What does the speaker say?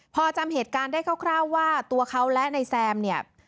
พอจำเหตุการณ์ได้คร่าวว่าตัวเขาและนายแซมเนี่ย